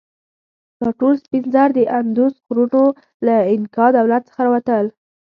دا ټول سپین زر د اندوس غرونو له انکا دولت څخه راتلل.